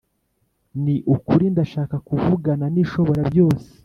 .Ni ukuri ndashaka kuvugana n’Ishoborabyose